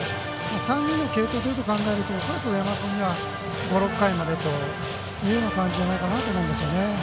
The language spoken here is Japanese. ３人の継投で考えると恐らく上山君には５６回までという感じじゃないかと思うんですけどね。